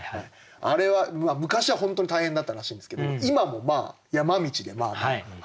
あれは昔は本当に大変だったらしいんですけど今も山道でまあまあ。